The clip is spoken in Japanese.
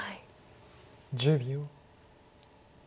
１０秒。